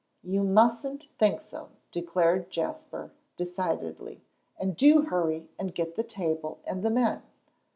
"You mustn't think so," declared Jasper, decidedly; "and do hurry and get the table and the men."